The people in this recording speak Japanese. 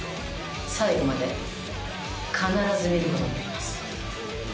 最後まで必ず見ることになります。